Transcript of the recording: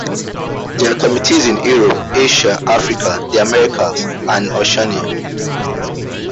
There are committees in Europe, Asia, Africa, the Americas, and Oceania.